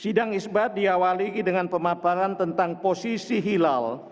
sidang isbat diawali dengan pemaparan tentang posisi hilal